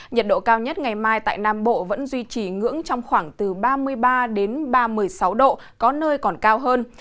nhiệt độ cao nhất ngày mai tại nam bộ vẫn duy trì ngưỡng trong khoảng từ ba mươi ba đến ba mươi sáu độ có nơi còn cao hơn